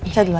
saya dulu ya